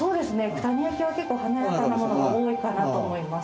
九谷焼は結構華やかなものが多いかなと思います。